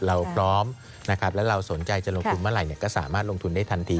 เราพร้อมนะครับแล้วเราสนใจจะลงทุนเมื่อไหร่ก็สามารถลงทุนได้ทันที